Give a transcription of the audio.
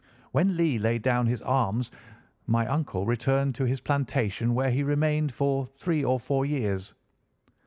When Lee laid down his arms my uncle returned to his plantation, where he remained for three or four years.